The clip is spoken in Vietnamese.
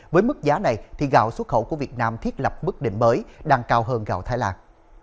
với mức giá này thì gạo xuất khẩu của việt nam thiết lập bức định mới đang cao hơn gạo thái lan